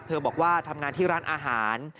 บอกว่าทำงานที่ร้านอาหาร